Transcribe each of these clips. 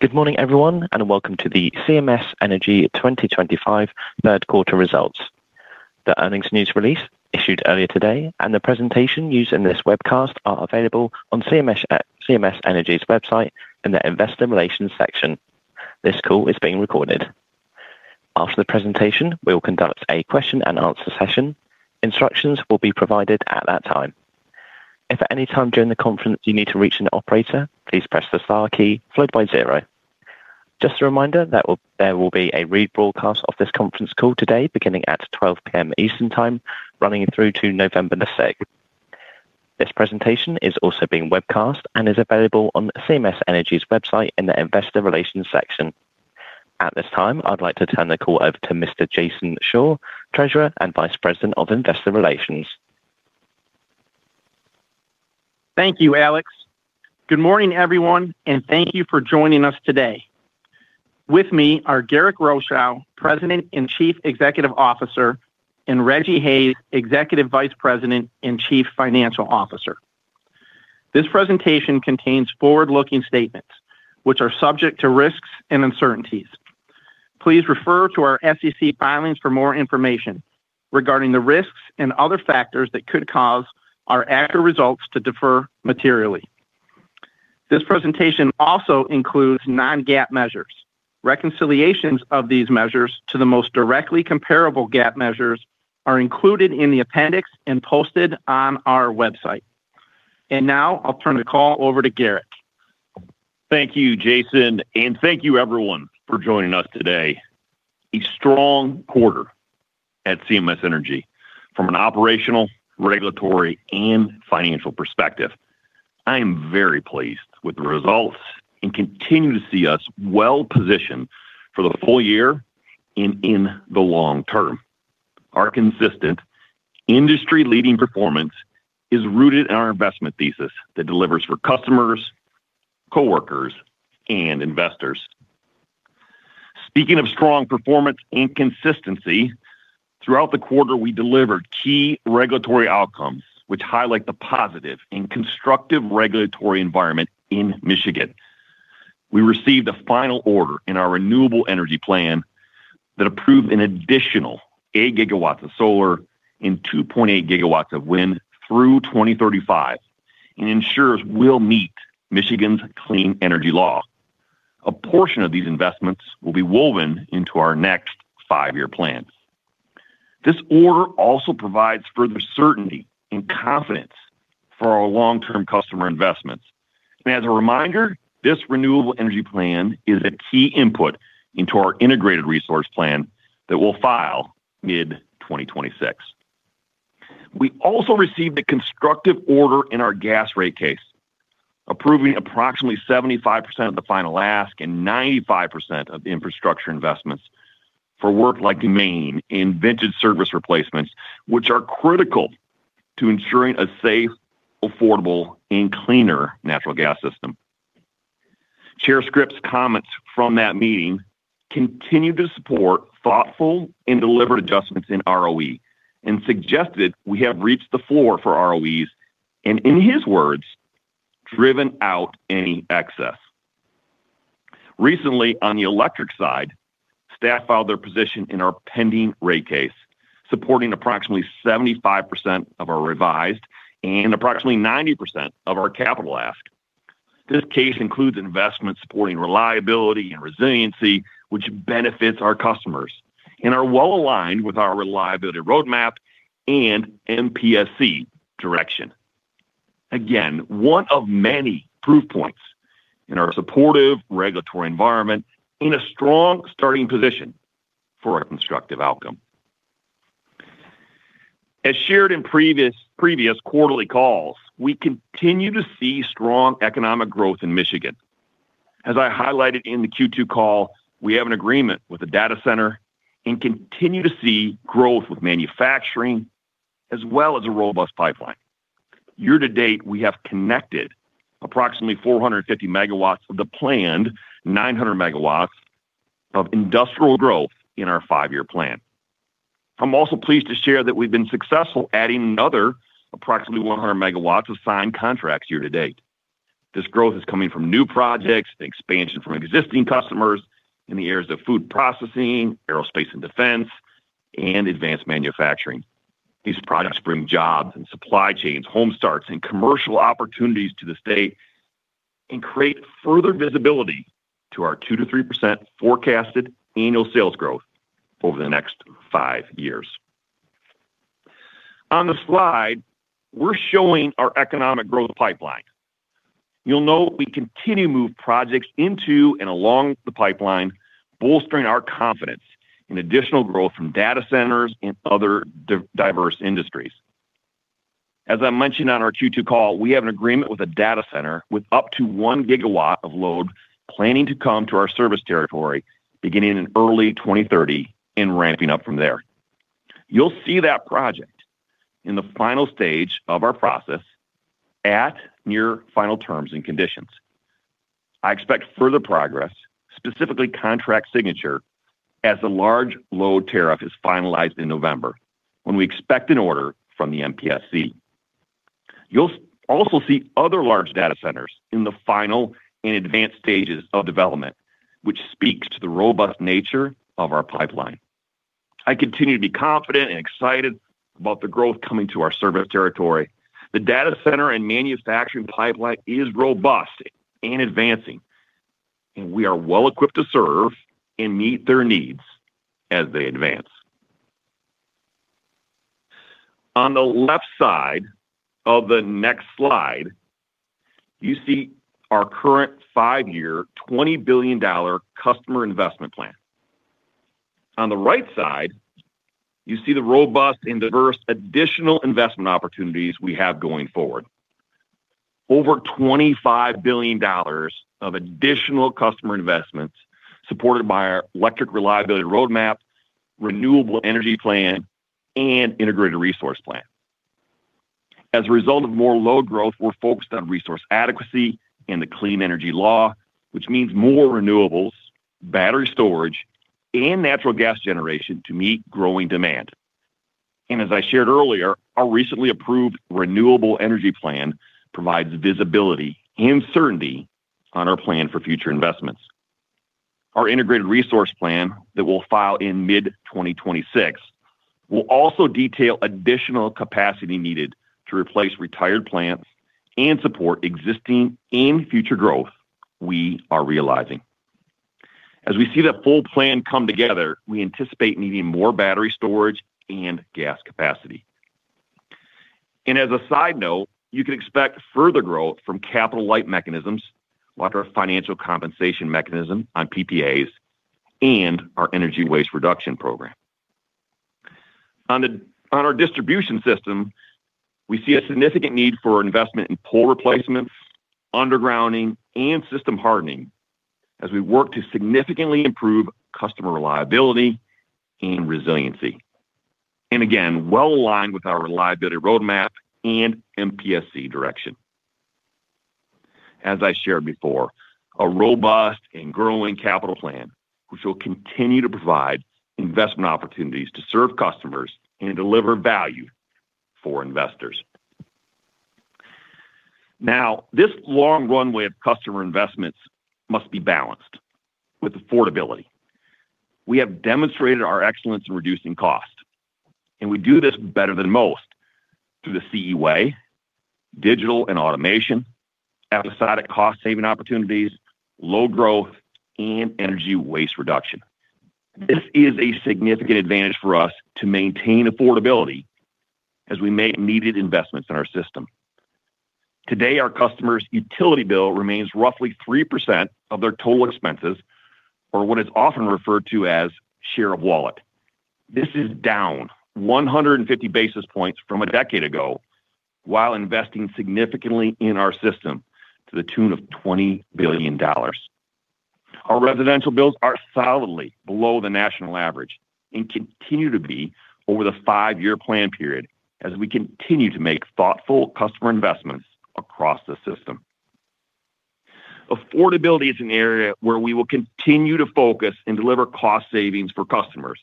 Good morning everyone and welcome to the CMS Energy 2025 third quarter results. The earnings news release issued earlier today and the presentation used in this webcast are available on CMS Energy's website in the Investor Relations section. This call is being recorded. After the presentation we will conduct a question and answer session. Instructions will be provided at that time. If at any time during the conference you need to reach an operator, please press the star key followed by zero. Just a reminder that there will be a rebroadcast of this conference call today beginning at 12:00 P.M. Eastern Time running through to November 6. This presentation is also being webcast and is available on CMS Energy's website in the Investor Relations section. At this time, I'd like to turn the call over to Mr. Jason Shaw, Treasurer and Vice President of Investor Relations. Thank you, Alex. Good morning, everyone, and thank you for joining us today. With me are Garrick Rochow, President and Chief Executive Officer, and Rejji Hayes, Executive Vice President and Chief Financial Officer. This presentation contains forward-looking statements, which are subject to risks and uncertainties. Please refer to our SEC filings for more information regarding the risks and other factors that could cause our actual results to differ materially. This presentation also includes non-GAAP measures. Reconciliations of these measures to the most directly comparable GAAP measures are included in the appendix and posted on our website. I'll turn the call over to Garrick. Thank you Jason, and thank you everyone for joining us today. A strong quarter at CMS Energy from an operational, regulatory, and financial perspective. I am very pleased with the results and continue to see us well positioned for the full year and in the long term. Our consistent industry-leading performance is rooted in our investment thesis that delivers for customers, co-workers, and investors. Speaking of strong performance and consistency, throughout the quarter we delivered key regulatory outcomes which highlight the positive and constructive regulatory environment in Michigan. We received a final order in our Renewable Energy Plan that approved an additional 8 GW of solar and 2.8 GW of wind through 2035 and ensures we'll meet Michigan's Clean Energy Law. A portion of these investments will be woven into our next five-year plan. This order also provides further certainty and confidence for our long-term customer investments. As a reminder, this Renewable Energy Plan is a key input into our Integrated Resource Plan that will file mid-2026. We also received a constructive order in our gas rate case approving approximately 75% of the final ask and 95% of infrastructure investments for work like main and service replacements which are critical to ensuring a safe, affordable, and cleaner natural gas system. Share scripts comments from that meeting continue to support thoughtful and deliberate adjustments in ROE and suggested we have reached the floor for ROEs and in his words driven out any excess. Recently on the electric side, staff filed their position in our pending rate case supporting approximately 75% of our revised and approximately 90% of our capital ask. This case includes investments supporting reliability and resiliency which benefits our customers and are well aligned with our Reliability Roadmap and MPSC direction. Again, one of many proof points in our supportive regulatory environment in a strong starting position for a constructive outcome. As shared in previous quarterly calls, we continue to see strong economic growth in Michigan. As I highlighted in the Q2 call, we have an agreement with the data center and continue to see growth with manufacturing as well as a robust pipeline. Year to date we have connected approximately 450 MW of the planned 900 MW of industrial growth in our five-year plan. I'm also pleased to share that we've been successful adding another approximately 100 MW of signed contracts year to date. This growth is coming from new projects, expansion from existing customers in the areas of food processing, aerospace and defense, and advanced manufacturing. These products bring jobs and supply chains, home starts, and commercial opportunities to the state and create further visibility to our 2%-3% forecasted annual sales growth over the next five years. On the slide, we're showing our economic growth pipeline. You'll note we continue to move projects into and along the pipeline, bolstering our confidence in additional growth from data centers and other diverse industries. As I mentioned on our Q2 call, we have an agreement with a data center with up to 1 GW of load planning to come to our service territory beginning in early 2030 and ramping up from there. You'll see that project in the final stage of our process at near final terms and conditions. I expect further progress, specifically contract signature, as the large load tariff is finalized in November when we expect an order from the MPSC. You'll also see other large data centers in the final and advanced stages of development, which speaks to the robust nature of our pipeline. I continue to be confident and excited about the growth coming to our service territory. The data center and manufacturing pipeline is robust and advancing, and we are well equipped to serve and meet their needs as they advance. On the left side of the next slide, you see our current five-year $20 billion customer investment plan. On the right side, you see the robust and diverse additional investment opportunities we have going forward, over $25 billion of additional customer investments supported by our Electric Reliability Roadmap, Renewable Energy Plan, and Integrated Resource Plan. As a result of more load growth, we're focused on resource adequacy and the Clean Energy Law, which means more renewables, battery storage, and natural gas generation to meet growing demand. As I shared earlier, our recently approved Renewable Energy Plan provides visibility and certainty on our plan for future investments. Our Integrated Resource Plan that we'll file in mid-2026 will also detail additional capacity needed to replace retired plants and support existing and future growth. We are realizing as we see that full plan come together, we anticipate needing more battery storage and gas capacity. As a side note, you can expect further growth from capital-light mechanisms like our financial compensation mechanism on PPAs and our energy waste reduction program on our distribution system. We see a significant need for investment in pole replacements, undergrounding, and system hardening as we work to significantly improve customer reliability and resiliency, and again well aligned with our Reliability Roadmap and MPSC direction. As I shared before, a robust and growing capital plan which will continue to provide investment opportunities to serve customers and deliver value for investors. Now, this long runway of customer investments must be balanced with affordability. We have demonstrated our excellence in reducing cost, and we do this better than most through the CE Way, digital and automation, episodic cost saving opportunities, low growth, and energy waste reduction. This is a significant advantage for us to maintain affordability as we make immediate investments in our system. Today, our customers' utility bill remains roughly 3% of their total expenses, or what is often referred to as share of wallet. This is down 150 basis points from a decade ago while investing significantly in our system to the tune of $20 billion. Our residential bills are solidly below the national average and continue to be over the five year plan period as we continue to make thoughtful customer investments across the system. Affordability is an area where we will continue to focus and deliver cost savings for customers,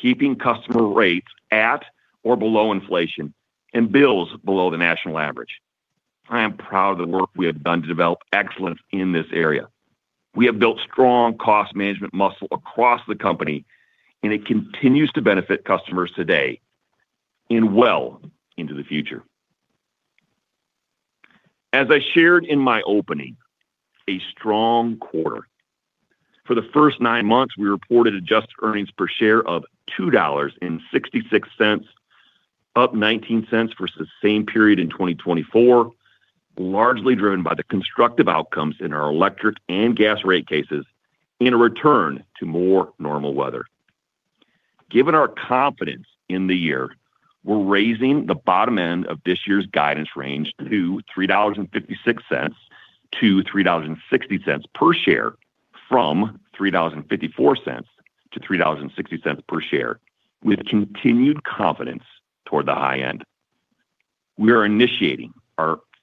keeping customer rates at or below inflation and bills below the national average. I am proud of the work we have done to develop excellence in this area. We have built strong cost management muscle across the company and it continues to benefit customers today and well into the future. As I shared in my opening, a strong quarter for the first nine months, we reported adjusted earnings per share of $2.66, up $0.19 versus the same period in 2024, largely driven by the constructive outcomes in our electric and gas rate cases and a return to more normal weather. Given our confidence in the year, we're raising the bottom end of this year's guidance range to $3.56 to $3.60 per share from $3.54 to $3.60 per share. With continued confidence toward the high end,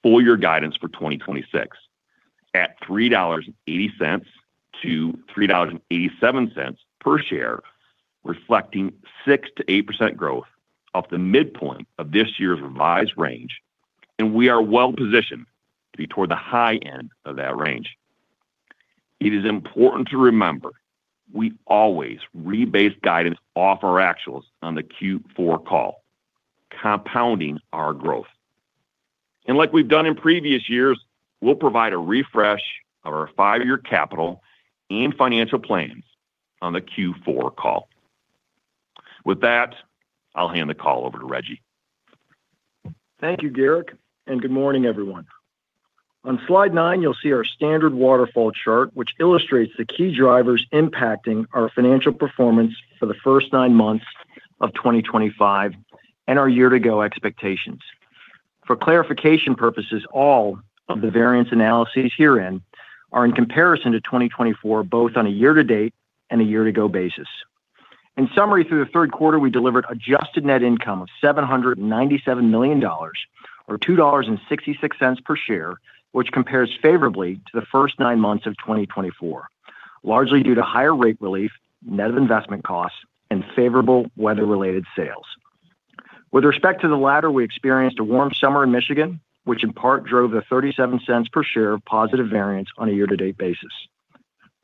we are initiating our full year guidance for 2026 at $3.80-$3.87 per share, reflecting 6%-8% growth off the midpoint of this year's revised range and we are well positioned to be toward the high end of that range. It is important to remember we always rebase guidance off our actuals on the Q4 call, compounding our growth and like we've done in previous years, we'll provide a refresh of our five year capital and financial plans on the Q4 call. With that, I'll hand the call over to Rejji. Thank you, Garrick, and good morning, everyone. On slide nine, you'll see our standard waterfall chart, which illustrates the key drivers impacting our financial performance for the first nine months of 2025 and our year-to-go expectations. For clarification purposes, all of the variance analyses herein are in comparison to 2024, both on a year-to-date and a year-to-go basis. In summary, through the third quarter, we delivered adjusted net income of $797 million, or $2.66 per share, which compares favorably to the first nine months of 2024, largely due to higher rate relief net of investment costs and favorable weather-related sales. With respect to the latter, we experienced a warm summer in Michigan, which in part drove the $0.37 per share positive variance on a year-to-date basis.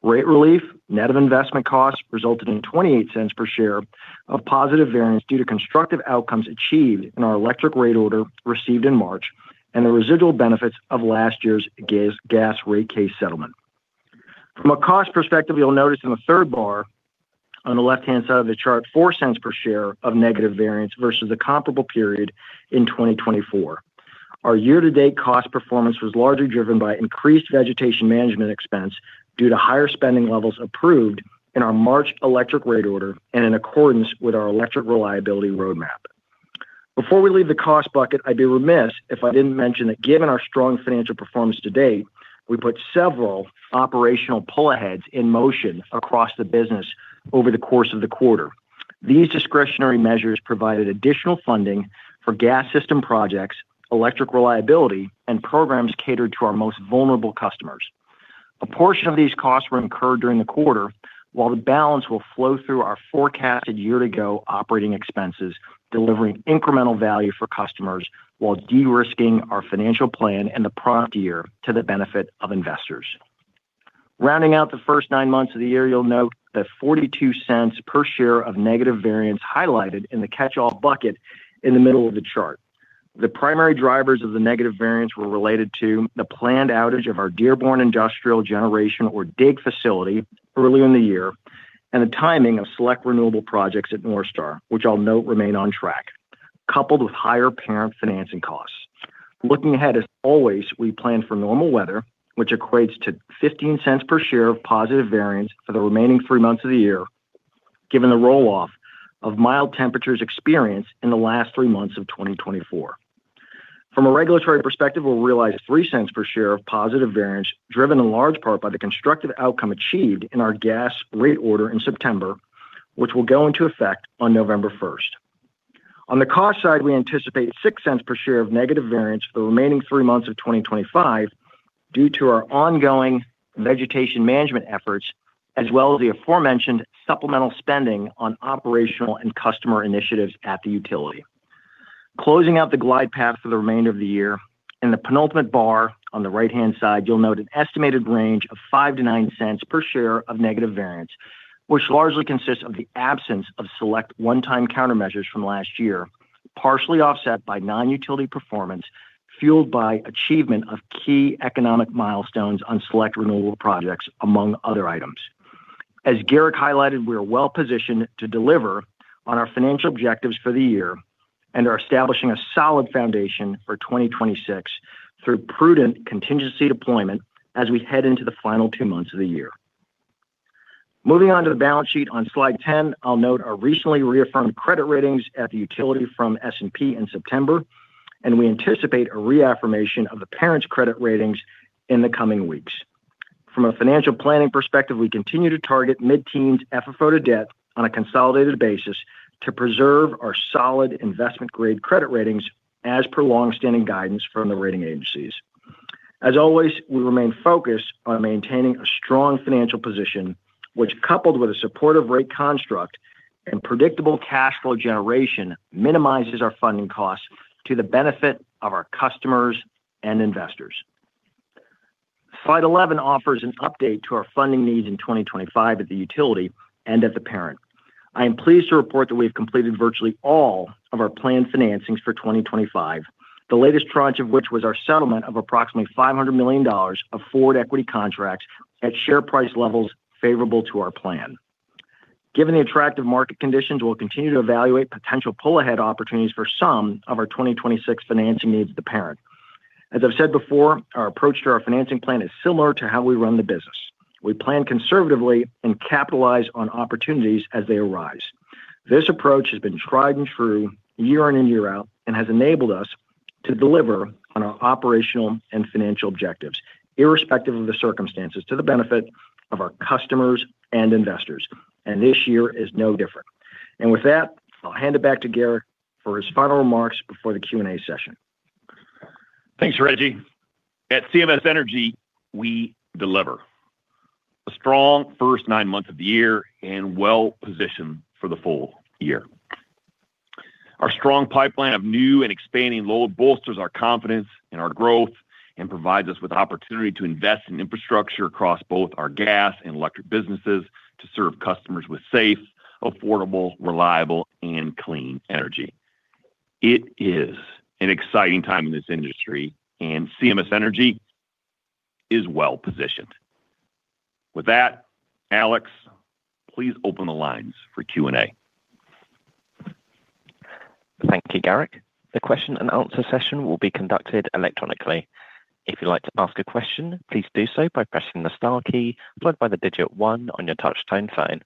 Rate relief net of investment costs resulted in $0.28 per share of positive variance due to constructive outcomes achieved in our electric rate order received in March and the residual benefits of last year's gas rate case settlement. From a cost perspective, you'll notice in the third bar on the left-hand side of the chart, $0.04 per share of negative variance versus a comparable period in 2024. Our year-to-date cost performance was largely driven by increased vegetation management expense due to higher spending levels approved in our March electric rate order and in accordance with our electric Reliability Roadmap. Before we leave the cost bucket, I'd be remiss if I didn't mention that given our strong financial performance to date, we put several operational pull-aheads in motion across the business over the course of the quarter. These discretionary measures provided additional funding for gas system projects, electric reliability, and programs catered to our most vulnerable customers. A portion of these costs were incurred during the quarter, while the balance will flow through our forecasted year-to-go operating expenses, delivering incremental value for customers while de-risking our financial plan and the product year to the benefit of investors. Rounding out the first nine months of the year, you'll note that $0.42 per share of negative variance highlighted in the catch-all bucket in the middle of the chart. The primary drivers of the negative variance were related to the planned outage of our Dearborn Industrial Generation or DIG facility earlier in the year and the timing of select renewable projects at NorthStar, which I'll note remain on track, coupled with higher parent financing costs. Looking ahead, as always, we plan for normal weather which equates to $0.15 per share of positive variance for the remaining three months of the year. Given the roll off of mild temperatures experienced in the last three months of 2024, from a regulatory perspective we'll realize $0.03 per share of positive variance drop, driven in large part by the constructive outcome achieved in our gas rate order in September which will go into effect on November 1st. On the cost side, we anticipate $0.06 per share of negative variance for the remaining three months of 2025 due to our ongoing vegetation management efforts as well as the aforementioned supplemental spending on operational and customer initiatives at the utility, closing out the glide path for the remainder of the year. In the penultimate bar on the right-hand side, you'll note an estimated range of $0.05-$0.09 per share of negative variance which largely consists of the absence of select one-time countermeasures from last year, partially offset by non-utility performance fueled by achievement of key economic milestones on select renewable projects among other items. As Garrick highlighted, we are well positioned to deliver on our financial objectives for the year and are establishing a solid foundation for 2026 through prudent contingency deployment as we head into the final two months of the year. Moving on to the balance sheet on slide 10, I'll note our recently reaffirmed credit ratings at the utility from S&P in September and we anticipate a reaffirmation of the parent's credit ratings in the coming weeks. From a financial planning perspective, we continue to target mid-teens FFO to debt on a consolidated basis to preserve our solid investment grade credit ratings as per long-standing guidance from the rating agencies. As always, we remain focused on maintaining a strong financial position, which coupled with a supportive rate construct and predictable cash flow generation, minimizes our funding costs to the benefit of our customers and investors. Slide 11 offers an update to our funding needs in 2025 at the utility and at the Parent. I am pleased to report that we have completed virtually all of our planned financings for 2025, the latest tranche of which was our settlement of approximately $500 million of forward equity contracts at share price levels favorable to our plan. Given the attractive market conditions, we'll continue to evaluate potential pull ahead opportunities for some of our 2026 financing needs. The Parent, as I've said before, our approach to our financing plan is similar to how we run the business. We plan conservatively and capitalize on opportunities as they arise. This approach has been tried and true year in and year out and has enabled us to deliver on our operational and financial objectives, irrespective of the circumstances, to the benefit of our customers and investors. This year is no different. With that, I'll hand it back to Garrick for his final remarks before the Q&A session. Thanks, Rejji. At CMS Energy, we delivered a strong first nine months of the year and are well positioned for the full year. Our strong pipeline of new and expanding load bolsters our confidence in our growth and provides us with opportunity to invest in infrastructure across both our gas and electric businesses to serve customers with safe, affordable, reliable, and clean energy. It is an exciting time in this industry, and CMS Energy is well positioned with that. Alex, please open the lines for Q&A. Thank you, Garrick. The question and answer session will be conducted electronically. If you'd like to ask a question, please do so by pressing the star key followed by the digit one on your touch tone phone.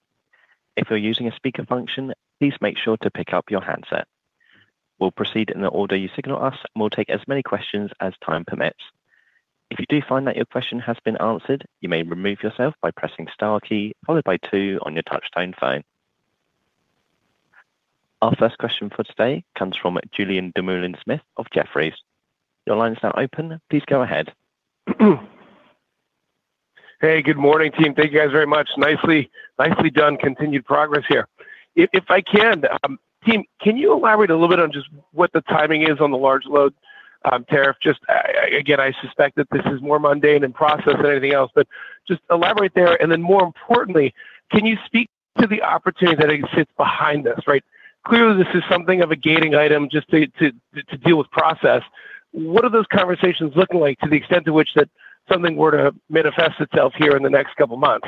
If you're using a speaker function, please make sure to pick up your handset. We'll proceed in the order you signal us, and we'll take as many questions as time permits. If you do find that your question has been answered, you may remove yourself by pressing star key followed by two on your touch tone phone. Our first question for today comes from Julien Dumoulin-Smith of Jefferies. Your line is now open. Please go ahead. Hey, good morning team. Thank you guys very much. Nicely done. Continued progress here. If I can, team, can you elaborate a little bit on just what the timing is on the large load tariff? I suspect that this is more mundane in process than anything else, but just elaborate there, and then more importantly, can you speak to the opportunity that exists behind this? Right. Clearly, this is something of a gating item just to deal with process. What are those conversations looking like to the extent to which that something were to manifest itself here in the next couple months?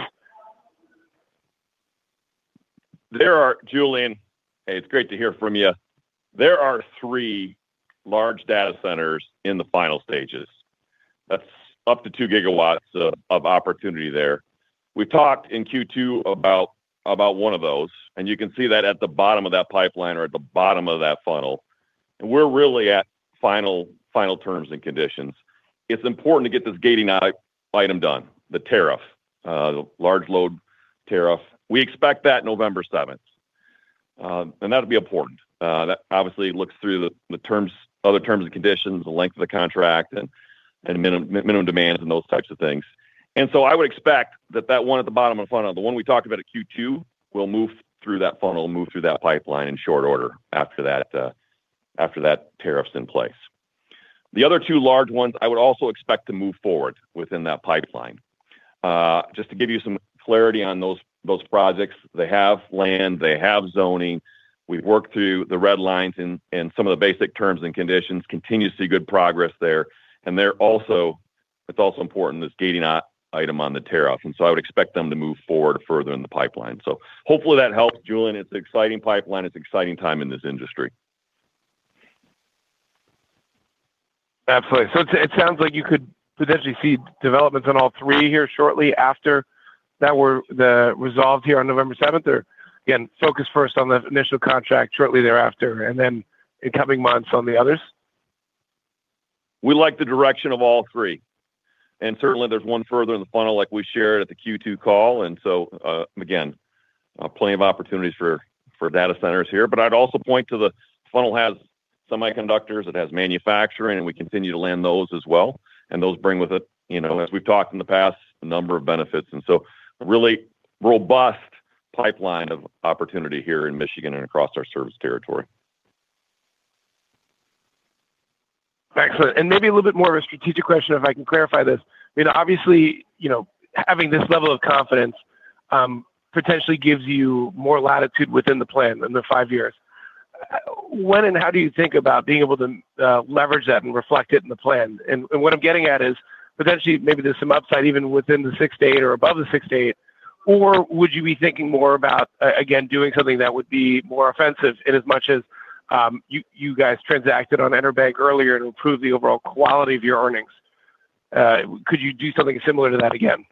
There are. Julien, it's great to hear from you. There are three large data centers in the final stages. That's up to 2 GW of opportunity there. We talked in Q2 about one of those and you can see that at the bottom of that pipeline or at the bottom of that funnel. We're really at final terms and conditions. It's important to get this gating item done, the tariff, the large load tariff. We expect that November 7th and that'll be important. That obviously looks through the terms, other terms and conditions, the length of the contract and minimum demand and those types of things. I would expect that that one at the bottom of the funnel, the one we talked about at Q2, will move through that funnel, move through that pipeline in short order. After that tariff's in place, the other two large ones, I would also expect to move forward within that pipeline. Just to give you some clarity on those projects, they have land, they have zoning, we've worked through the red lines and some of the basic terms and conditions, continue to see good progress there. It's also important, this gating item on the tariff. I would expect them to move forward further in the pipeline. Hopefully that helps. Julien, it's exciting pipeline. It's exciting time in this industry. Absolutely. It sounds like you could potentially see developments on all three here shortly after they are resolved here on November 7, or again focus first on the initial contract, shortly thereafter and then in coming months on the others. We like the direction of all three, and certainly there's one further in the funnel like we shared at the Q2 call. Again, plenty of opportunities for data centers here. I'd also point to the funnel has semiconductors, it has manufacturing, and we continue to land those as well. Those bring with it, as we've talked in the past, a number of benefits, and so really robust pipeline of opportunity here in Michigan and across our service territory. Excellent. Maybe a little bit more of a strategic question, if I can clarify this. Obviously, having this level of confidence potentially gives you more latitude within the plan in the five years. When and how do you think about being able to leverage that and reflect it in the plan? What I'm getting at is potentially maybe there's some upside even within the six to eight or above the six, eight. Would you be thinking more about again doing something that would be more offensive in as much as you guys transacted on en bank earlier to improve the overall quality of your earnings? Could you do something similar to that again?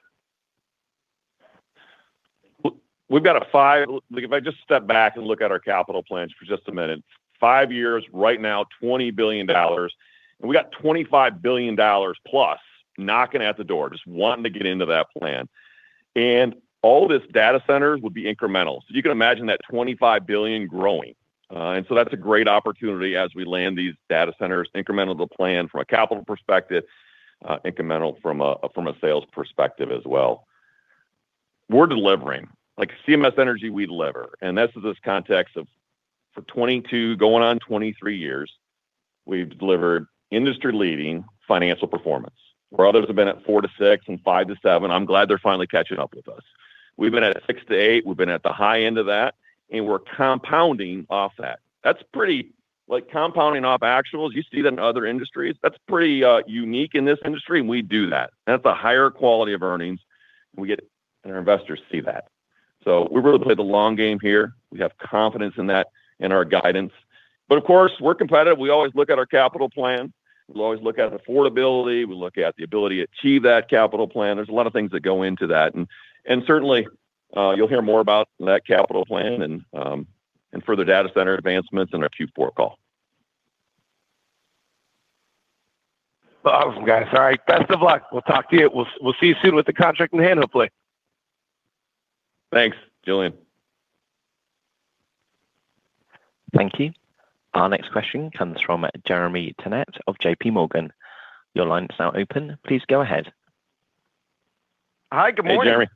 We've got a five. If I just step back and look at our capital plans for just a minute, five years right now, $20 billion, and we've got $25 billion plus knocking at the door just wanting to get into that plan, and all this data center would be incremental, so you can imagine that $25 billion growing. That's a great opportunity as we land these data centers, incremental to the plan from a capital perspective, incremental from a sales perspective as well. We're delivering like CMS Energy. We deliver, and this is this context of for 22, going on 23 years, we've delivered industry leading financial performance where others have been at 4%-6% and 5%-7%. I'm glad they're finally catching up with us. We've been at 6%-8%, we've been at the high end of that, and we're compounding off that. That's pretty like compounding off actuals. You see that in other industries. That's pretty unique in this industry, and we do that. That's a higher quality of earnings we get. Our investors see that. We really play the long game here. We have confidence in that, in our guidance, but of course we're competitive. We always look at our capital plan, we always look at affordability, we look at the ability to achieve that capital plan. There's a lot of things that go into that, and certainly you'll hear more about that capital plan and further data center advancements in our Q4 call. Awesome, guys. All right, best of luck. We'll talk to you. We'll see you soon with the contract in hand, hopefully. Thanks Julian. Thank you. Our next question comes from Jeremy Tonet of JPMorgan. Your line is now open. Please go ahead. Hi, good morning.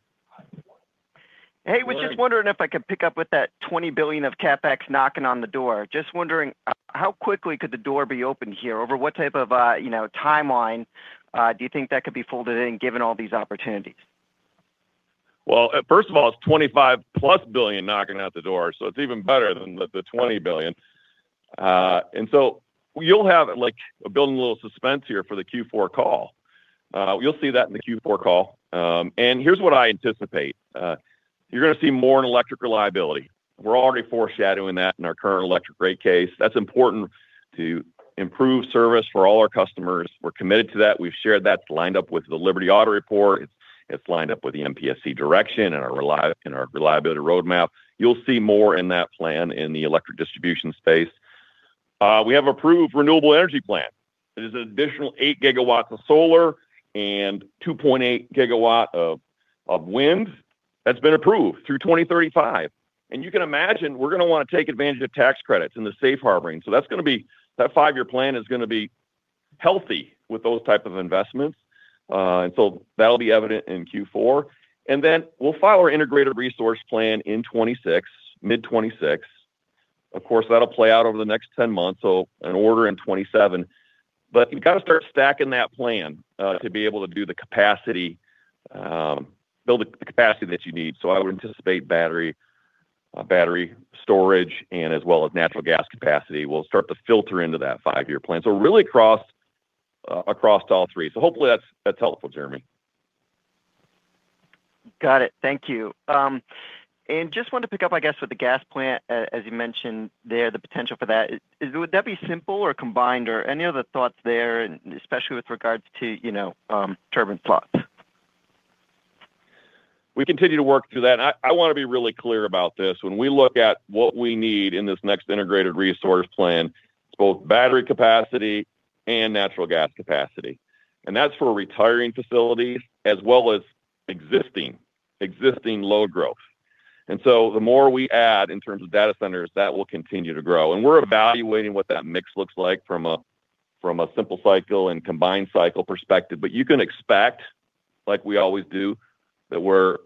I was just wondering if I could pick up with that $20 billion of CapEx knocking on the door. Just wondering how quickly could the door be open here, over what type of, you know, timeline do you think that could be folded in given all these opportunities? First of all, it's $25+ billion knocking at the door. It's even better than the $20 billion. You'll have building a little suspense here for the Q4 call. You'll see that in the Q4 call, and here's what I anticipate: you're going to see more in electric reliability. We're already foreshadowing that in our current electric rate case. That's important to improve service for all our customers. We're committed to that. We've shared that. Lined up with the Liberty Audit report, it's lined up with the MPSC direction and our Reliability Roadmap. You'll see more in that plan. In the electric distribution space, we have an approved Renewable Energy Plan. It is an additional 8 GW of solar and 2.8 GW of wind that's been approved through 2035. You can imagine we're going to want to take advantage of tax credits in the safe harbor. That five-year plan is going to be healthy with those types of investments, and that'll be evident in Q4. We'll file our Integrated Resource Plan in 2026, mid-2026. Of course, that'll play out over the next 10 months, so an order in 2027. You've got to start stacking that plan to be able to build the capacity that you need. I would anticipate battery, battery storage, as well as natural gas capacity will start to filter into that five-year plan. Really, across all three. Hopefully, that's helpful, Jeremy. Got it. Thank you. I just wanted to pick up, I guess with the gas plant, as you mentioned there, the potential for that. Would that be simple or combined or any other thoughts there, especially with regards to, you know, turbine plots? We continue to work through that. I want to be really clear about this. When we look at what we need in this next Integrated Resource Plan, both battery capacity and natural gas capacity, that's for retiring facilities as well as existing load growth. The more we add in terms of data centers, that will continue to grow and we're evaluating what that mix looks like from a simple cycle and combined cycle perspective. You can expect, like we always do, that we're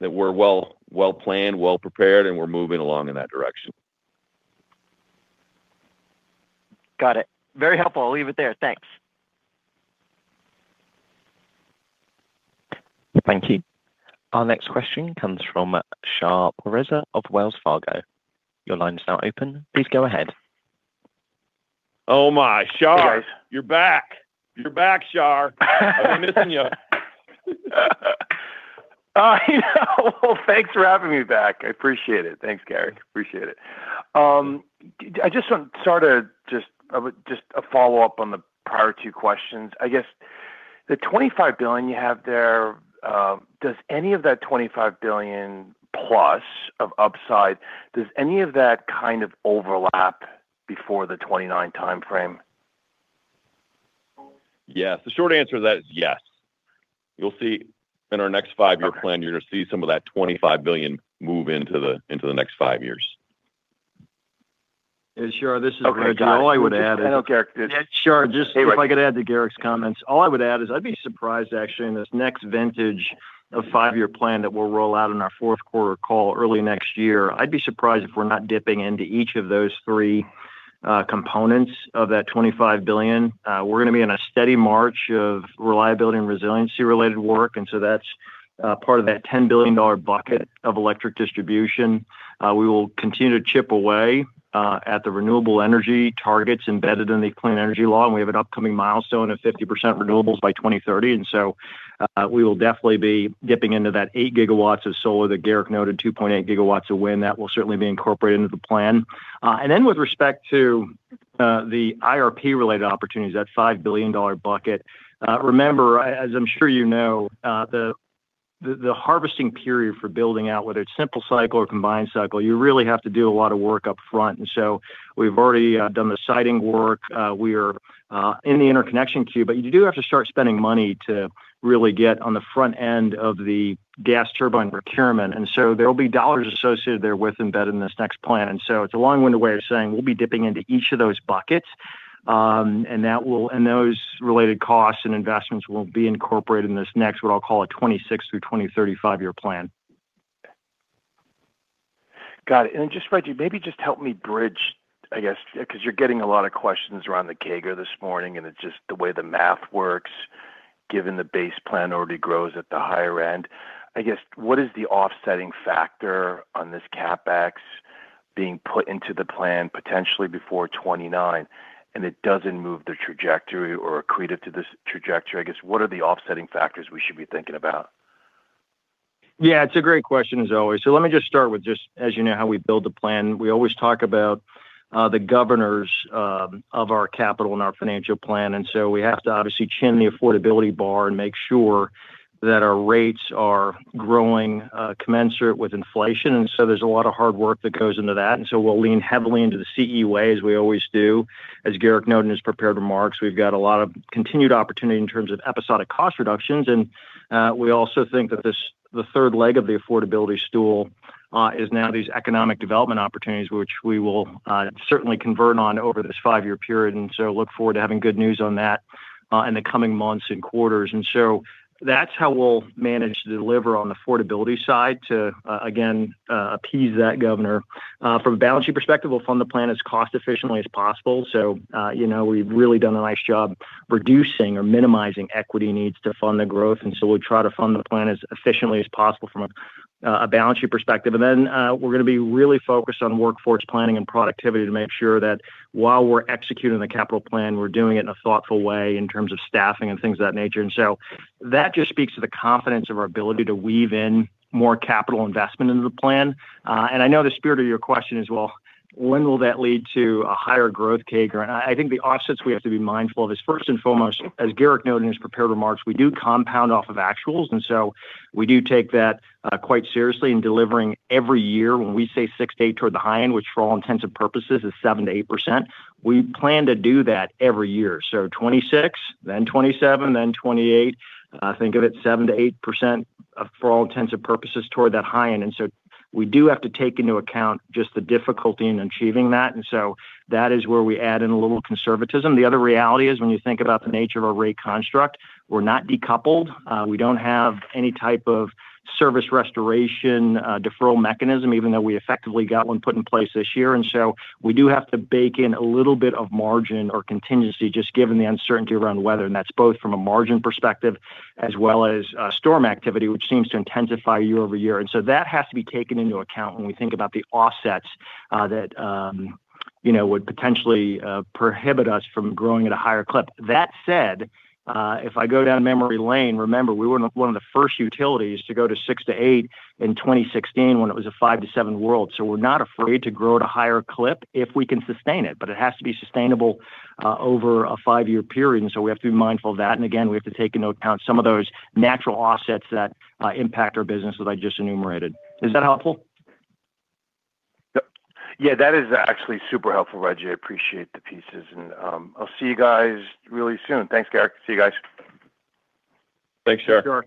well planned, well prepared, and we're moving along in that direction. Got it. Very helpful. I'll leave it there, thanks. Thank you. Our next question comes Shar Pourdanesh of Wells Fargo. Your line is now open. Please go ahead. Oh my. Char, you're back. You're back, Char. I've been missing you. Thank you for having me back. I appreciate it. Thanks, Garrick, appreciate it. I just want to start a follow up on the prior two questions. I guess the $25 billion you have there, does any of that $25 billion plus of upside, does any of that kind of overlap before the 2029 time frame? Yes. The short answer to that is yes. You'll see in our next five-year plan, you're going to see some of that $25 billion move into the next five years. Sure. Just if I could add to Garrick's comments, all I would add is I'd be surprised actually in this next vintage of five-year plan that we'll roll out in our fourth quarter call early next year, I'd be surprised if we're not dipping into each of those three components of that $25 billion. We're going to be in a steady march of reliability and resiliency related work, and that's part of that $10 billion bucket of electric distribution. We will continue to chip away at the renewable energy targets embedded in the Clean Energy Law. We have an upcoming milestone of 50% renewables by 2030, so we will definitely be dipping into that 8 GW of solar that Garrick noted, 2.8 GW of wind that will certainly be incorporated into the plan. With respect to the IRP related opportunities, that $5 billion bucket, remember as I'm sure you know the harvesting period for building out, whether it's simple cycle or combined cycle, you really have to do a lot of work up front. We've already done the siting work. We are in the interconnection queue, but you do have to start spending money to really get on the front end of the gas turbine procurement. There will be dollars associated there embedded in this next plan. It's a long-winded way of saying we'll be dipping into each of those buckets and those related costs and investments will be incorporated in this next, what I'll call a 2026 through 2035 year plan. Got it. Rejji, maybe just help me bridge, I guess because you're getting a lot of questions around the CAGR this morning and it's just the way the math works given the base plan already grows at the higher end, I guess what is the offsetting factor on this CapEx being put into the plan? Potentially before 2029 and it doesn't move the trajectory or accretive to this trajectory, I guess. What are the offsetting factors we should be thinking about? Yeah, it's a great question as always. Let me just start with just as you know how we build the plan, we always talk about the governors of our capital and our financial plan. We have to obviously chin the affordability bar and make sure that our rates are growing commensurate with inflation. There's a lot of hard work that goes into that. We'll lean heavily into the CE Way as we always do. As Garrick noted in his prepared remarks, we've got a lot of continued opportunity in terms of episodic cost reductions. We also think that the third leg of the affordability stool is now these economic development opportunities which we will certainly convert on over this five-year period and look forward to having good news on that in the coming months and quarters. That's how we'll manage to deliver on the affordability side to again appease that governor. From a balance sheet perspective, we'll fund the plan as cost efficiently as possible. We've really done a nice job reducing or minimizing equity needs to fund the growth. We try to fund the plan as efficiently as possible from a balance sheet perspective. We're going to be really focused on workforce planning and productivity to make sure that while we're executing the capital plan, we're doing it in a thoughtful way in terms of staffing and things of that nature. That just speaks to the confidence of our ability to weave in more capital investment into the plan. I know the spirit of your question is, well, when will that lead to a higher growth CAGR? I think the offsets we have to be mindful of is first and foremost, as Garrick noted in his prepared remarks, we do compound off of actuals. We do take that quite seriously in delivering every year when we say 6%-8% toward the high end, which for all intents and purposes is 7%-8%, we plan to do that every year. So 2026 then 2027 then 2028 then think of it 7%-8% for all intents and purposes toward that high end. We do have to take into account just the difficulty in achieving that. That is where we add in a little conservatism. The other reality is when you think about the nature of our rate construct, we're not decoupled. We don't have any type of service restoration deferral mechanism, even though we effectively got one put in place this year. We do have to bake in a little bit of margin or contingency just given the uncertainty around weather. That is both from a margin perspective as well as storm activity seems to intensify year over year. That has to be taken into account when we think about the offsets that would potentially prohibit us from growing at a higher clip. If I go down memory lane, remember we were one of the first utilities to go to 6%-8% in 2016 when it was a 5%-7% world. We are not afraid to grow at a higher clip if we can sustain it. It has to be sustainable over a five-year period. We have to be mindful of that. We have to take into account some of those natural offsets that impact our business that I just enumerated. Is that helpful? Yeah, that is actually super helpful, Rejji. I appreciate the pieces and I'll see you guys really soon. Thanks Garrick. See you guys. Thanks, Char.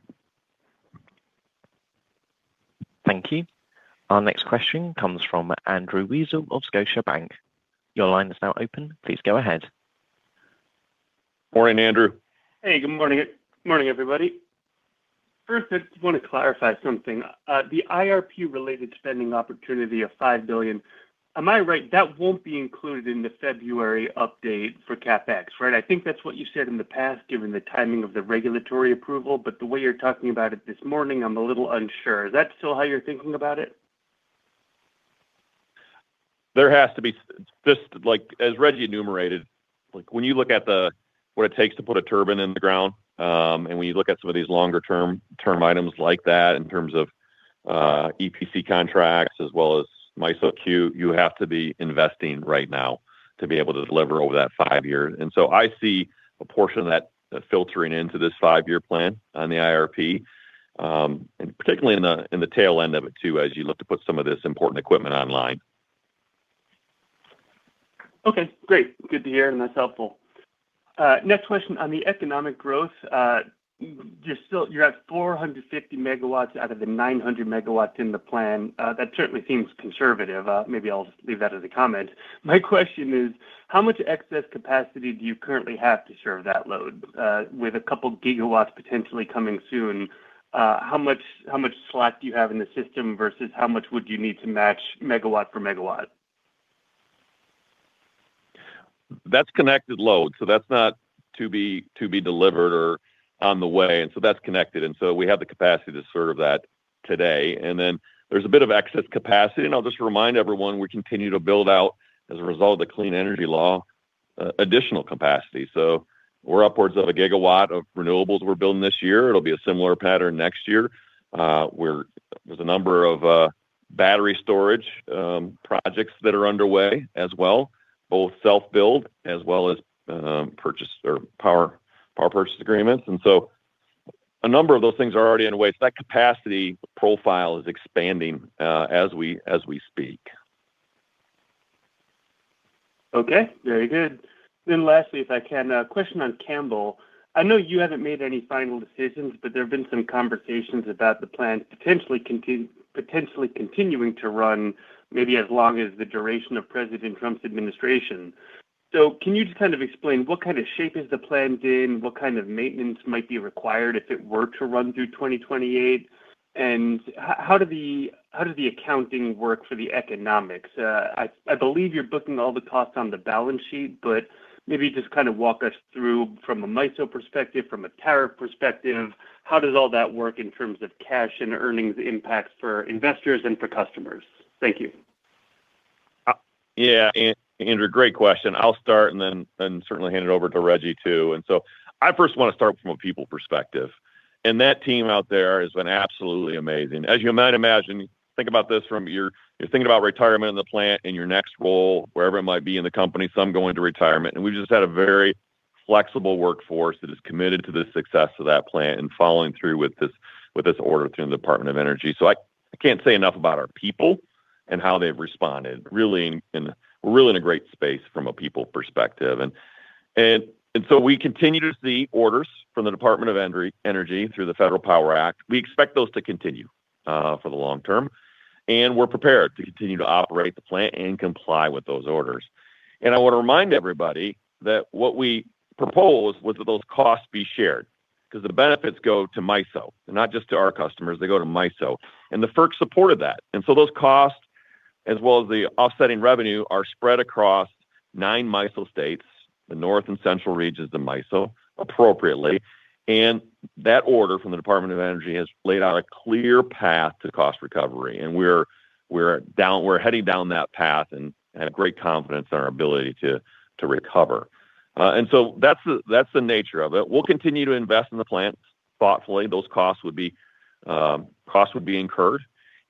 Thank you. Our next question comes from Andrew Weisel of Scotiabank. Your line is now open. Please go ahead. Morning, Andrew. Hey, good morning. Morning everybody. First, I want to clarify something. The IRP related spending opportunity of $5 billion, am I right? That won't be included in the February update for CapEx, right? I think that's what you said in the past given the timing of the regulatory approval. The way you're talking about it this morning, I'm a little unsure. Is that still how you're thinking about it? There has to be, just like as Rejji enumerated, when you look at what it takes to put a turbine in the ground and when you look at some of these longer term items like that in terms of EPC contracts as well as MISO, you have to be investing right now to be able to deliver over that five years. I see a portion of that filtering into this five year plan on the Integrated Resource Plan and particularly in the tail end of it too as you look to put some of this important equipment online. Okay, great. Good to hear. That's helpful. Next question on the economic growth, you're at 450 MW out of the 900 MW in the plan. That certainly seems conservative. Maybe I'll just leave that as a comment. My question is how much excess capacity do you currently have to serve that load with a couple gigawatts potentially coming soon. How much slack do you have in the system versus how much would you need to match megawatt per megawatt? That's connected load. That's not to be delivered or on the way. That's connected, and we have the capacity to serve that today. There's a bit of excess capacity. I'll just remind everyone we continue to build out as a result of the Clean Energy Law, additional capacity. We're upwards of a gigawatt of renewables we're building this year. It'll be a similar pattern next year. There are a number of battery storage projects that are underway as well, both self-build as well as purchase or power purchase agreements. A number of those things are already underway. That capacity profile is expanding as we speak. Okay, very good. Lastly, if I can, a question on Campbell. I know you haven't made any final decisions, but there have been some conversations about the plant potentially continuing, potentially continuing to run maybe as long as the duration of President Trump's administration. Can you just kind of explain what kind of shape is the plant in, what kind of maintenance might be required if it were to run through 2028? How do the accounting work for the economics? I believe you're booking all the costs on the balance sheet, but maybe just kind of walk us through from a MISO perspective, from a tariff perspective, how does all that work in terms of cash and earnings impacts for investors and for customers? Thank you. Yeah, Andrew, great question. I'll start and then certainly hand it over to Rejji, too. I first want to start from a people perspective. That team out there has been absolutely amazing, as you might imagine. Think about this from your thinking about retirement in the plant, in your next role, wherever it might be in the company, some going to retirement. We've just had a very flexible workforce that is committed to the success of that plant and following through with this order through the Department of Energy. I can't say enough about our people and how they've responded. We're really in a great space from a people perspective. We continue to see orders from the Department of Energy through the Federal Power Act. We expect those to continue for the long term and we're prepared to continue to operate the plant and comply with those orders. I want to remind everybody that what we propose was that those costs be shared because the benefits go to MISO, not just to our customers, they go to MISO, and the FERC supported that. Those costs as well as the offsetting revenue are spread across nine MISO states, the North and Central regions of MISO, appropriately. That order from the Department of Energy has laid out a clear path to cost recovery. We're heading down that path and have great confidence in our ability to recover. That's the nature of it. We'll continue to invest in the plant thoughtfully. Those costs would be incurred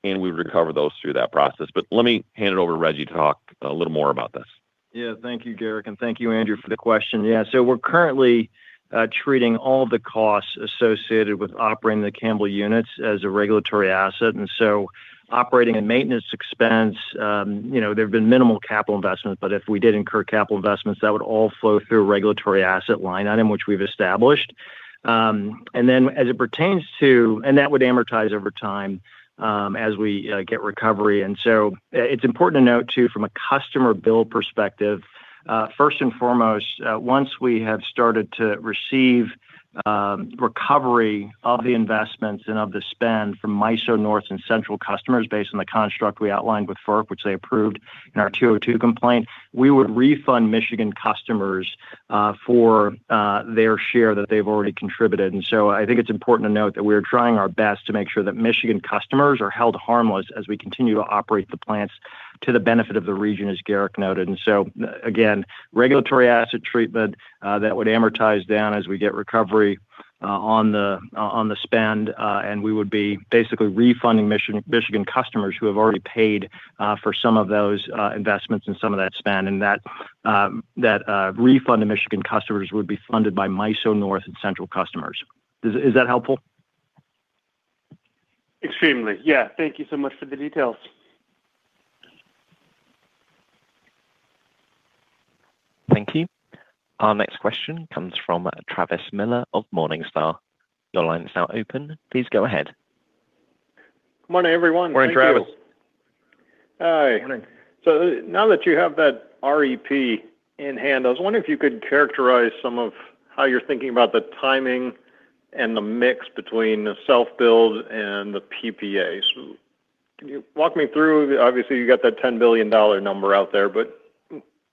and we recover those through that process. Let me hand it over to Rejji to talk a little more about this. Yeah, thank you, Garrick. And thank you, Andrew, for the question. Yeah, so we're currently treating all the costs associated with operating the Campbell units as a regulatory asset. Operating and maintenance expense, you know, there have been minimal capital investment, but if we did incur capital investments, that would all flow through regulatory asset line item, which we've established. As it pertains to that, it would amortize over time as we get recovery. It's important to note too, from a customer bill perspective, first and foremost, once we have started to receive recovery of the investments and of the spend from MISO North and Central customers, based on the construct we outlined with FERC, which they approved in our 202 complaint, we would refund Michigan customers for their share that they've already contributed. I think it's important to note that we're trying our best to make sure that Michigan customers are held harmless as we continue to operate the plants to the benefit of the region, as Garrick noted. Again, regulatory asset treatment that would amortize down as we get recovery on the spend. We would be basically refunding Michigan customers who have already paid for some of those investments and some of that spend. That refund to Michigan customers would be funded by MISO North and Central customers. Is that helpful? Extremely. Thank you so much for the details. Thank you. Our next question comes from Travis Miller of Morningstar. Your line is now open. Please go ahead. Morning, everyone. Morning, Travis. Hi. Now that you have that REP in hand, I was wondering if you could characterize some of how you're thinking about the timing and the mix between the self-build and the PPA. Can you walk me through? Obviously, you got that $10 billion number out there, but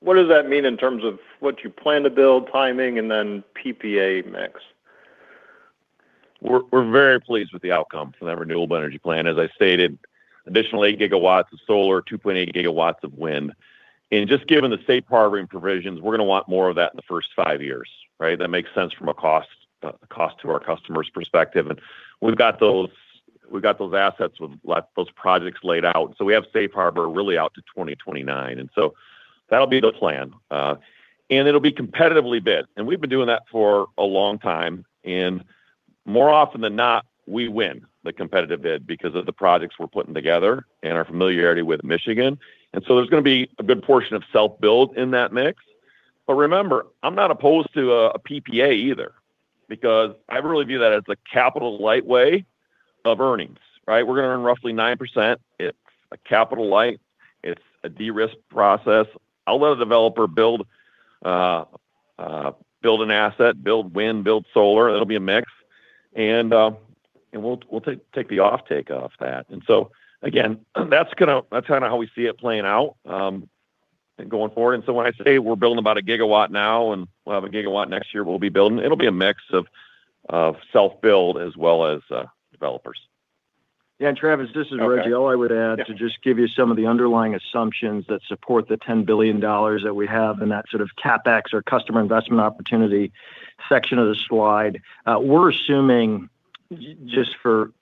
what does that mean in terms of what you plan to build, timing and then PPA mix? We're very pleased with the outcome from that Renewable Energy Plan, as I stated, additional 8 GW of solar, 2.8 GW of wind. Given the safe harbor provisions, we're going to want more of that in the first five years. Right. That makes sense from a cost to our customers perspective. We've got those assets with those projects laid out, so we have safe harbor really out to 2029. That'll be the plan and it'll be competitively bid. We've been doing that for a long time. More often than not we win the competitive bid because of the projects we're putting together and our familiarity with Michigan. There is going to be a good portion of self-build in that mix. Remember, I'm not opposed to a PPA either because I really view that as a capital-light way of earnings. Right. We're going to earn roughly 9% if a capital-light. It's a de-risk process. I'll let a developer build, build an asset, build wind, build solar. That'll be a mix, and we'll take the off-take off that. That's kind of how we see it playing out going forward. When I say we're building about a gigawatt now and we'll have a gigawatt next year, we'll be building. It'll be a mix of self-build as well as developers. Yeah. Travis, this is Rejji. All I would add to just give you some of the underlying assumptions that support the $10 billion that we have in that sort of CapEx or customer investment opportunity section of the slide. We're assuming just for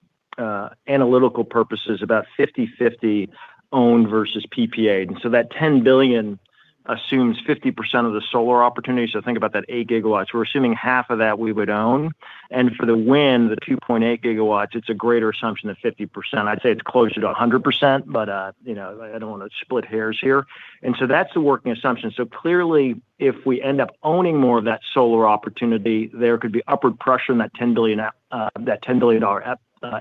analytical purposes, about 50/50 owned versus PPA. That $10 billion assumes 50% of the solar opportunity. Think about that 8 GW, we're assuming half of that we would own and for the wind, the 2.8 GW, it's a greater assumption of, I'd say it's closer to 100% but I don't want to split hairs here. That's the working assumption. Clearly, if we end up owning more of that solar opportunity, there could be upward pressure in that $10 billion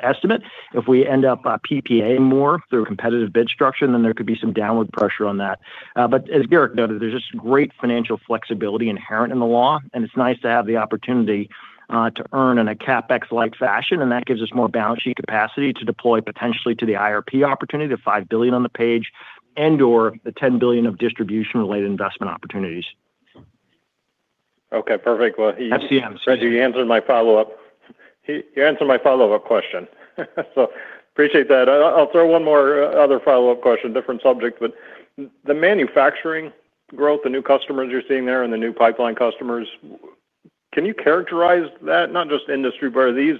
estimate. If we end up PPA more through competitive bid structure, then there could be some downward pressure on that. As Garrick noted, there's just great financial flexibility inherent in the law and it's nice to have the opportunity to earn in a CapEx-like fashion and that gives us more balance sheet capacity to deploy potentially to the IRP opportunity, the $5 billion, $1 billion on the page and or the $10 billion of distribution related investment opportunities. FCM. Perfect. You answered my follow up, you answered my follow up question, so appreciate that. I'll throw one more follow up question, different subject, but the manufacturing growth, the new customers you're seeing there and the new pipeline customers, can you characterize that? Not just industry, but are these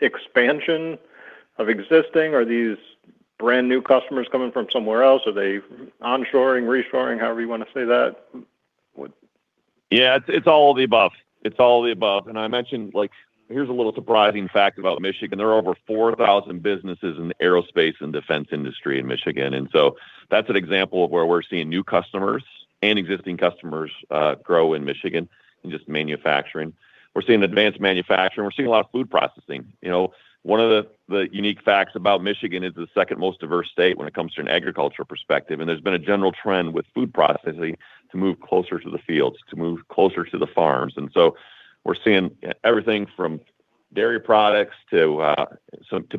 expansion of existing, are these brand new customers coming from somewhere else? Are they onshoring, reshoring, however you want to say that. Yeah, it's all the above. It's all the above. Here's a little surprising fact about Michigan. There are over 4,000 businesses in the aerospace and defense industry in Michigan. That's an example of where we're seeing new customers and existing customers grow in Michigan. In manufacturing, we're seeing advanced manufacturing, we're seeing a lot of food processing. One of the unique facts about Michigan is it's the second most diverse state from an agricultural perspective. There's been a general trend with food processing to move closer to the fields, to move closer to the farms. We're seeing everything from dairy products to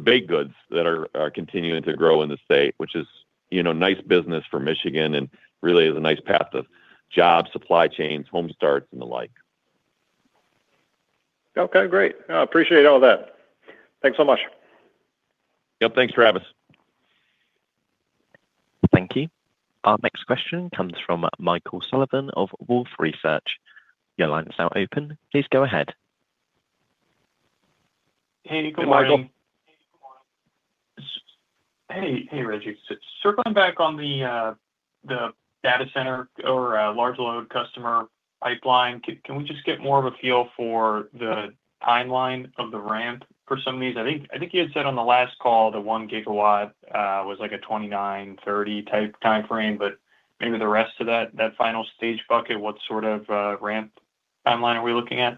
baked goods that are continuing to grow in the state, which is nice business for Michigan and really is a nice path to jobs, supply chains, home start and the like. Okay, great. Appreciate all that, thanks so much. Yep, thanks Travis. Thank you. Our next question comes from Michael Sullivan of Wolfe Research. Your line is now open. Please go ahead. Hey Rejji, circling back on the data center or large load customer pipeline. Can we just get more of a feel for the timeline of the ramp for some of these? I think you had said on the last call the 1 GW was like a 29:30 type time frame. Maybe the rest of that final stage bucket, what sort of ramp timeline are we looking at?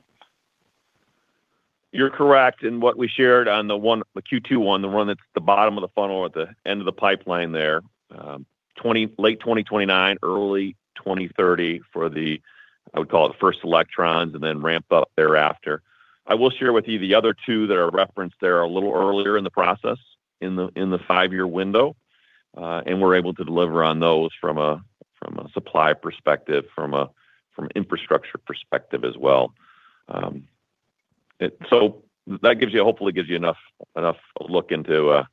You're correct. What we shared on the Q2 one, the one that's the bottom of the funnel at the end of the pipeline, there's 20, late 2029, early 2030 for the, I would call it first electrons and then ramp up thereafter. I will share with you the other two that are referenced there a little earlier in the process in the five year window. We're able to deliver on those from a supply perspective, from an infrastructure perspective as well. That gives you, hopefully gives you enough look into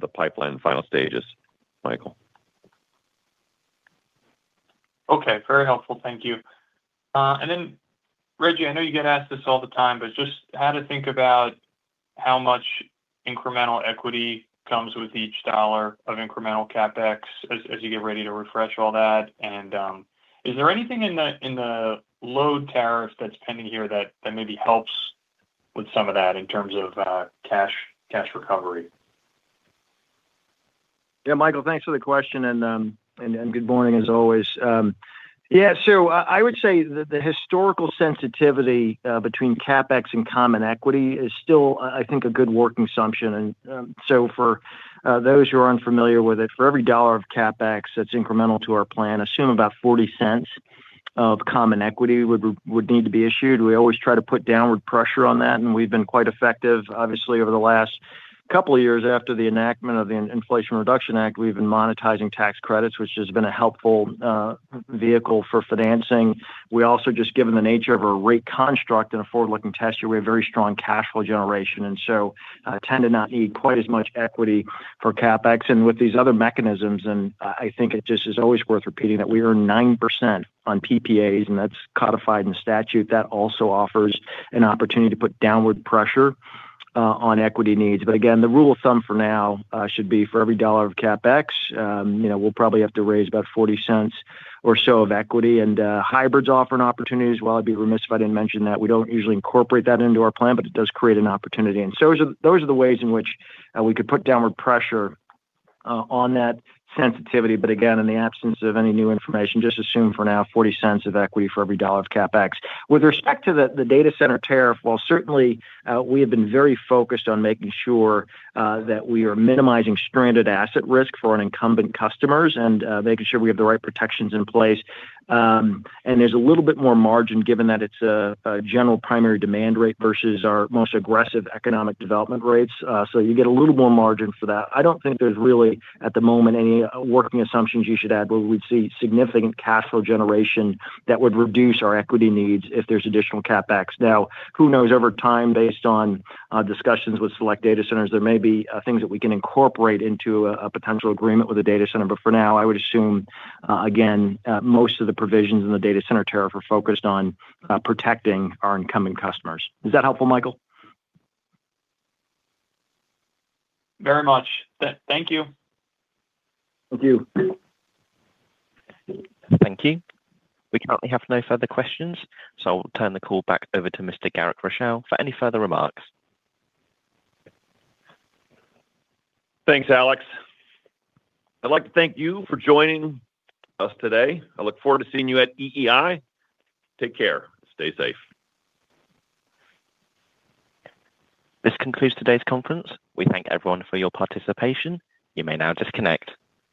the pipeline final stages, Michael. Okay, very helpful, thank you. Rejji, I know you get asked this all the time, but just how to think about how much incremental equity comes with each dollar of incremental CapEx as you get ready to refresh all that. Is there anything in the load tariff that's pending here that maybe helps with some of that in terms of cash recovery? Yeah, Michael, thanks for the question and good morning as always. Yeah, so I would say that the historical sensitivity between CapEx and common equity is still, I think, a good working assumption. For those who are unfamiliar with it, for every dollar of CapEx that's incremental to our plan, assume about $0.40 of common equity would need to be issued. We always try to put downward pressure on that and we've been quite effective. Obviously, over the last couple of years after the enactment of the Inflation Reduction Act, we've been monetizing tax credits, which has been a helpful vehicle for financing. We also, just given the nature of a rate construct in a forward-looking test year, have very strong cash flow generation and tend to not need quite as much equity for CapEx with these other mechanisms. I think it just is always worth repeating that we are 9% on PPAs and that's codified in statute. That also offers an opportunity to put downward pressure on equity needs. Again, the rule of thumb for now should be for every dollar of CapEx, we'll probably have to raise about $0.40 or so of equity and hybrids offering opportunities. I'd be remiss if I didn't mention that we don't usually incorporate that into our plan, but it does create an opportunity. Those are the ways in which we could put downward pressure on that sensitivity. Again, in the absence of any new information, just assume for now $0.40 of equity for every dollar of CapEx. With respect to the data center tariff, we have been very focused on making sure that we are minimizing stranded asset risk for incumbent customers and making sure we have the right protections in place. There's a little bit more margin given that it's a general primary demand rate versus our most aggressive economic development rates, so you get a little more margin for that. I don't think there's really at the moment any working assumptions you should add. We'd see significant cash flow generation that would reduce our equity needs if there's additional CapEx. Now, who knows, over time, based on discussions with select data centers, there may be things that we can incorporate into a potential agreement with the data center. For now, I would assume again most of the provisions in the data center tariff are focused on protecting our incumbent customers. Is that helpful, Michael? Very much. Thank you. Thank you. Thank you. We currently have no further questions, so I'll turn the call back over to Mr. Garrick Rochow for any further remarks. Thanks, Alex. I'd like to thank you for joining us today. I look forward to seeing you at EEI. Take care. Stay safe. This concludes today's conference. We thank everyone for your participation, you may now disconnect.